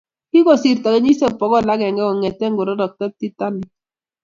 Kikosirto kenyisiek bokol agenge kong'ete kororokto Titanic.